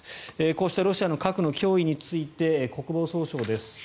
こうしたロシアの核の脅威について国防総省です。